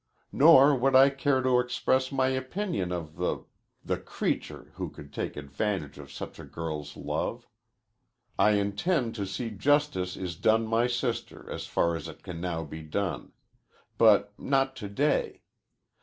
"Nor would I care to express my opinion of the ... the creature who could take advantage of such a girl's love. I intend to see justice is done my sister, as far as it can now be done. But not to day.